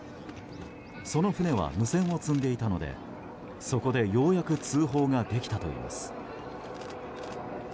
その船は無線を積んでいたのでそこでようやく通報ができたといいます。